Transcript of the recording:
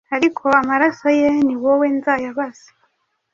ariko amaraso ye ni wowe nzayabaza.